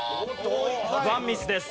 ワンミスです。